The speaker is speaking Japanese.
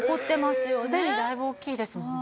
すでにだいぶ大きいですもんね。